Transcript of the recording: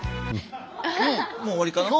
もう終わりかな？